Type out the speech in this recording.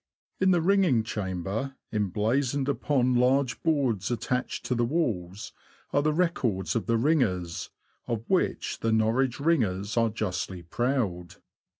In the ringing chamber, emblazoned upon large boards attached to the walls, are the records of the ringers, of which the Norwich ringers are justly proud.